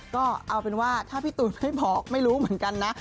ก็เอาเป็นว่าถ้าพี่ตูนไม่บอกไม่รู้เหมือนกันนะ